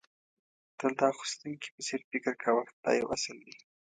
تل د اخيستونکي په څېر فکر کوه دا یو اصل دی.